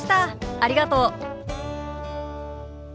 ありがとう。